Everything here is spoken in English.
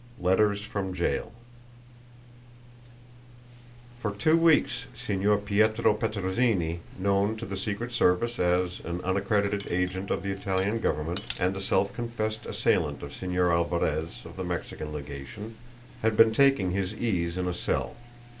XVI LETTERS FROM JAIL For two weeks Signor Pietro Petrozinni, known to the Secret Service as an unaccredited agent of the Italian government, and the self confessed assailant of Señor Alvarez of the Mexican legation, had been taking his ease in a cell.